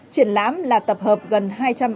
triển lãm là tập hợp gần hai mươi năm